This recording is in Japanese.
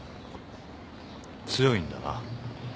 強いんだな。